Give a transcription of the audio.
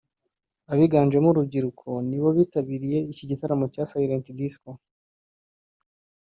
Abiganjemo urubyiruko nibo bitabiriye iki gitaramo cya “Silent Disco”